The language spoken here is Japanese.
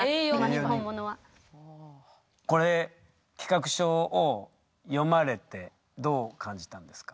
これ企画書を読まれてどう感じたんですか？